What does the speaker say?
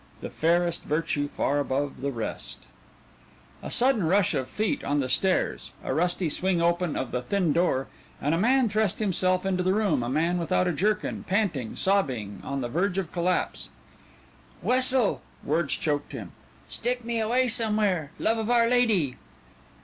The fayrest vertue, far above the rest_.... A sudden rush of feet on the stairs, a rusty swing open of the thin door, and a man thrust himself into the room, a man without a jerkin, panting, sobbing, on the verge of collapse. "Wessel," words choked him, "stick me away somewhere, love of Our Lady!"